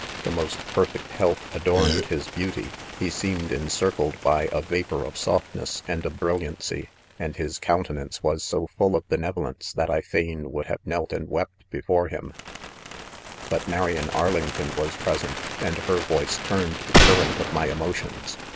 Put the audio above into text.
* The most perfect health adorned his beau* tyj he seemed encircled by a vapour of soft ness and of brilliancy ;j and his countenance was so full of benevolence, that I fain would have knelt and wept before him* * But Marian 'Arlington was present, and he? voice turned the current of my emotions.